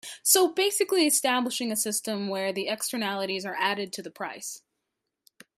So basically establishing a system where the externalities are added to the price.